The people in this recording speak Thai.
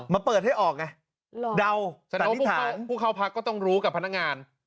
มาเปิดให้ออกไงเดาสันนิษฐานผู้เข้าพักก็ต้องรู้กับพนักงาน